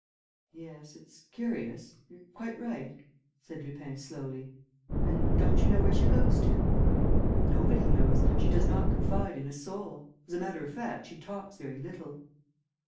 "Yes, it's curious ... you're quite right," said Lupin, slowly. "And don't you know where she goes to?" "Nobody knows. She does not confide in a soul. As a matter of fact, she talks very little."